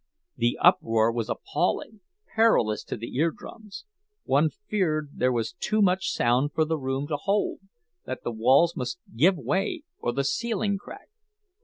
The uproar was appalling, perilous to the eardrums; one feared there was too much sound for the room to hold—that the walls must give way or the ceiling crack.